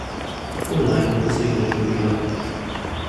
Oh, nein, es regnet schon wieder.